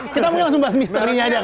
kita mungkin langsung bahas misterinya aja